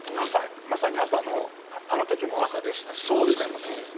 まさに朝のあの時も朝でしたし今回もそうですね。